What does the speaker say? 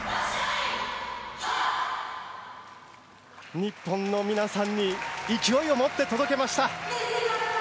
日本の皆さんに勢いを持って届けました。